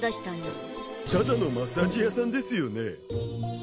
ただのマッサージ屋さんですよね？